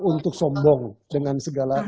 untuk sombong dengan segala